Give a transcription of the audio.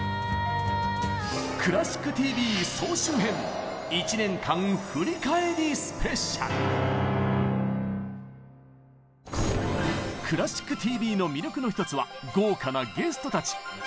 「クラシックＴＶ」「クラシックＴＶ」の魅力の一つは豪華なゲストたち！